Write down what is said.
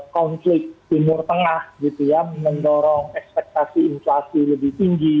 konflik timur tengah gitu ya mendorong ekspektasi inflasi lebih tinggi